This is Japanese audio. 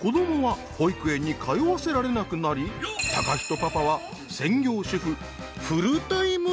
子どもは保育園に通わせられなくなり貴仁パパは専業主夫フルタイム